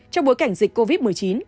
trong bối cảnh dịch covid một mươi chín